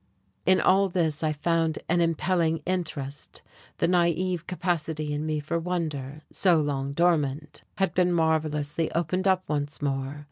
In all this I found an impelling interest; the naive capacity in me for wonder, so long dormant, had been marvellously opened up once more.